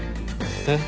えっ？